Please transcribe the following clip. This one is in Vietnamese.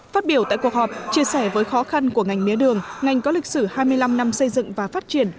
phát biểu tại cuộc họp chia sẻ với khó khăn của ngành mía đường ngành có lịch sử hai mươi năm năm xây dựng và phát triển